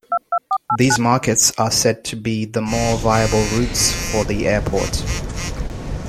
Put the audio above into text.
These markets are said to be the more viable routes for the airport.